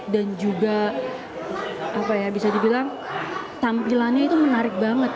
dan juga apa ya bisa dibilang tampilannya itu menarik banget